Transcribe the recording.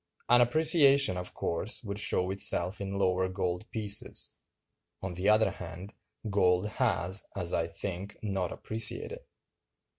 An appreciation, of course, would show itself in lower gold prices. On the other hand, gold has, as I think, not appreciated.